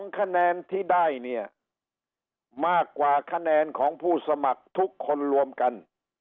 คะแนนที่ได้เนี่ยมากกว่าคะแนนของผู้สมัครทุกคนรวมกัน